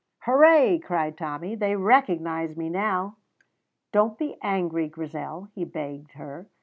"Hurray!" cried Tommy, "they recognize me now! Don't be angry, Grizel," he begged her.